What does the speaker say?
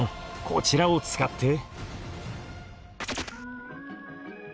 こちらを使って。